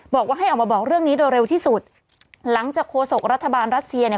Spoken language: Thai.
บอกว่าให้ออกมาบอกเรื่องนี้โดยเร็วที่สุดหลังจากโฆษกรัฐบาลรัสเซียเนี่ย